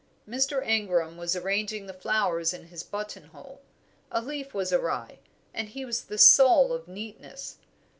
Mr. Ingram was arranging the flowers in his buttonhole. A leaf was awry, and he was the soul of neatness.